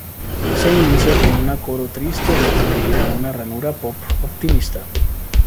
Se inicia con una coro triste antes de ir a una ranura pop optimista.